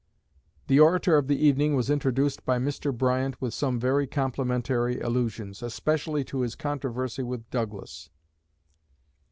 The orator of the evening was introduced by Mr. Bryant with some very complimentary allusions, especially to his controversy with Douglas.